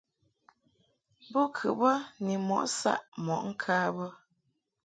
Bo kɨ bə ni mɔʼ saʼ mɔʼ ŋka bə.